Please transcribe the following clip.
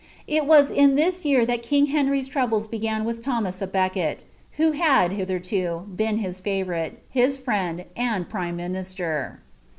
It was in this year thai king Henry's troubles began with Thomas a Becket, who had, hitherto, ben liis favourite, his friead, aod prime minister.